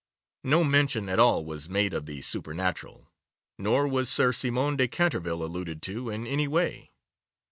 No mention at all was made of the supernatural, nor was Sir Simon de Canterville alluded to in any way.